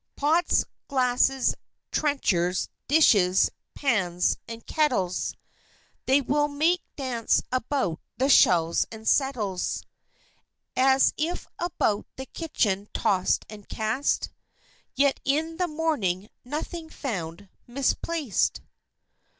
__Pots, glasses, trenchers, dishes, pans, and kettles, They will make dance about the shelves and settles, As if about the kitchen tossed and cast, Yet in the morning nothing found misplaced!